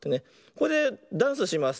これでダンスします。